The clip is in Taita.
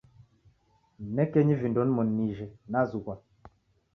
Ninekenyi vindo nimoni nije nazughwa.